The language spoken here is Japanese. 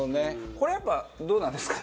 これやっぱどうなんですかね？